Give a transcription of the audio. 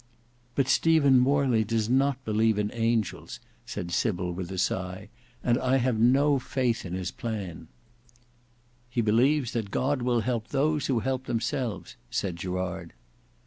"But Stephen Morley does not believe in angels," said Sybil with a sigh; "and I have no faith in his plan." "He believes that God will help those who help themselves," said Gerard.